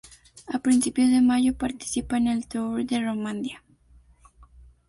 A principios de mayo, participa en el Tour de Romandía.